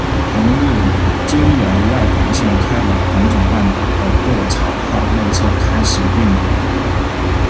同日，经由外房线开往房总半岛的“若潮”号列车开始运营。